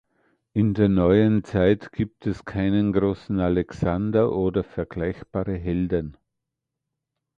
In der neuen Zeit gibt es keinen großen Alexander oder vergleichbare Helden.